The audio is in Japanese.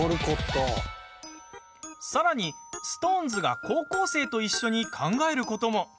さらに、ＳｉｘＴＯＮＥＳが高校生と一緒に考えることも。